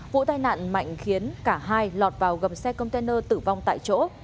vụ tai nạn mạnh khiến cả hai lọt vào gầm xe container tử vong tại chỗ